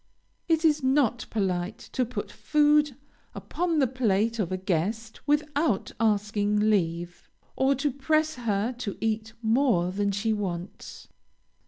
It is not polite to put food upon the plate of a guest without asking leave, or to press her to eat more than she wants.